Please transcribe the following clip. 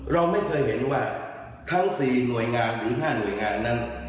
เราไม่เคยเห็นว่าทั้ง๔หน่วยงานหรือ๕หน่วยงานนั้น